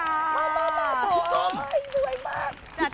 พี่ส้มสวยมาก